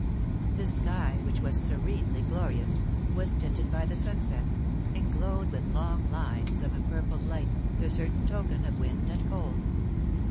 The sky, which was serenely glorious, was tinted by the sunset, and glowed with long lines of empurpled light, the certain token of wind and cold.